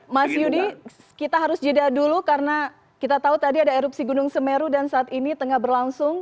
mas yudi kita harus jeda dulu karena kita tahu tadi ada erupsi gunung semeru dan saat ini tengah berlangsung